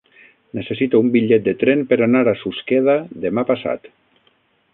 Necessito un bitllet de tren per anar a Susqueda demà passat.